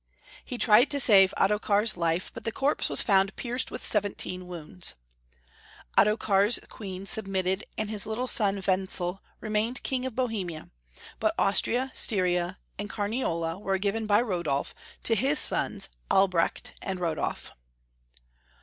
He tried to save Ottokar's life, but the corpse was found pierced with seventeen wounds. Ottokar's Queen sub mitted, and his little son Wenzel remained King of Bohemia, but Austria, Stjn^ia, and Carniola were given by Rodolf to his sons Albrecht and Rodolf.